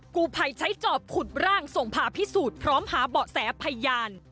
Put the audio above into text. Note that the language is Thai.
กูภัยใช้จอบขุดร่างส่งผ่าพิสูจน์พร้อมหาเบาะแสพยาน